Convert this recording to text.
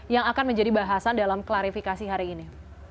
yang akan menjadi bahasan dalam klarifikasi hari ini